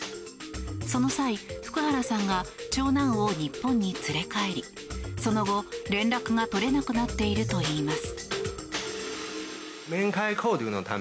その際、福原さんが長男を日本に連れ帰りその後、連絡が取れなくなっているといいます。